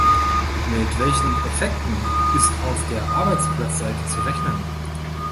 Mit welchen Effekten ist auf der Arbeitsplatzseite zu rechnen?